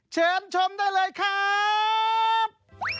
เชิญชมได้เลยครับ